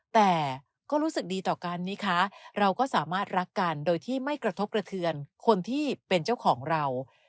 แต่ก็รู้สึกดีต่อกันนี่คะเราก็สามารถรักกันโดยที่ไม่กระทบกระเทือนคนที่เป็นเจ้าของเรา